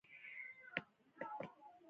انسان باید له تېروتنې زده کړه وکړي.